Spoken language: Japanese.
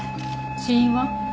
死因は？